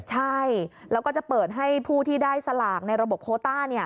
ใช่แล้วก็จะเปิดให้ผู้ที่ได้สลากในระบบโคต้า